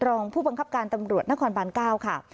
รองผู้บังคับการตำรวจนครบาน๙ค่ะ